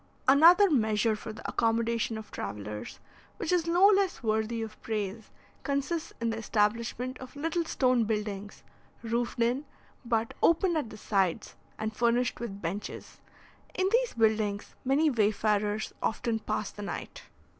Another measure for the accommodation of travellers, which is no less worthy of praise, consists in the establishment of little stone buildings, roofed in, but open at the sides, and furnished with benches. In these buildings many wayfarers often pass the night.